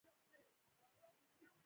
که موږ متحد شو، دا وطن به بدل شي.